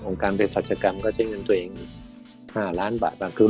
ของการปริศาจกรรมก็ใช้เงินตัวเองอยู่๕ล้านบาทบ้าง